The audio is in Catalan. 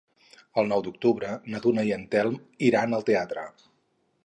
El nou d'octubre na Duna i en Telm iran al teatre.